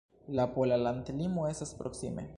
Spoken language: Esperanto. La pola landlimo estas proksime.